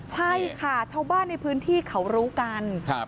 ใช่ค่ะชาวบ้านในพื้นที่เขารู้กัน